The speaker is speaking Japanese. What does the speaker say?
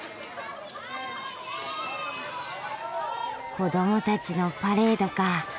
子どもたちのパレードか。